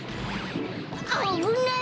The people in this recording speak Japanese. あぶない。